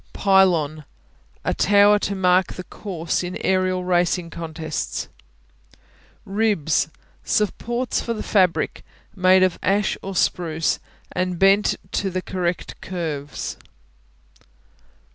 Pylon A tower to mark the course in aerial racing contests. Ribs Supports for the fabric, made of ash or spruce and bent to the correct curves.